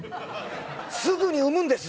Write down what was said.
すぐに産むんです！